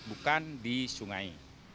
bukan di sungai